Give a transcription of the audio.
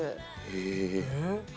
へえ。